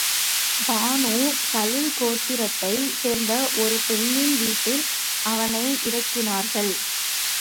Banu ஸலுல் கோத்திரத்தைச் சேர்ந்த ஒரு பெண்ணின் வீட்டில் அவனை இறக்கினார்கள்.